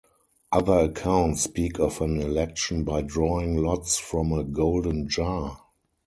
Other accounts speak of an election by drawing lots from a golden jar.